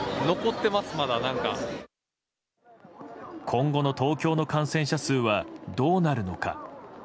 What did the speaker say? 今後の東京の感染者数はどうなるのか。